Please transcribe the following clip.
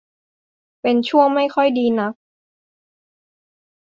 เป็นช่วงไม่ค่อยดีนัก